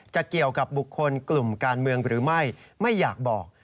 จะเกี่ยวกับบุคคลกลุ่มการเมืองหรือไม่ไม่อยากบอก